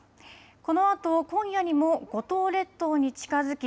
このあと今夜にも五島列島に近づき